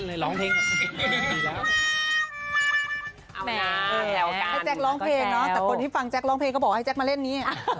เอาให้แจ๊คร้องเพลงเนาะแต่คนที่ฟังแจ๊คร้องเพลงก็บอกให้แจ๊คมาเล่นนี่